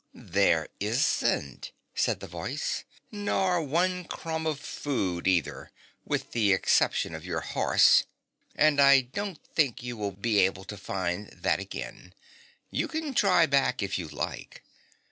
' There isn't,' said the voice, ' nor one crumb of food either, with the exception of your horse, and I don't 97 F THE BOTTOM OF THE GULF think you will be able to find that again. You can try back if you like.